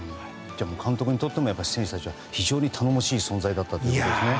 監督にとっても選手たちは非常に頼もしい存在だったんですね。